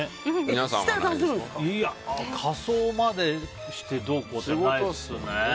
仮装までしてどうこうっていうのはないですね。